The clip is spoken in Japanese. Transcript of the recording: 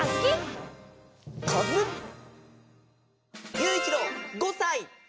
ゆういちろう５さい！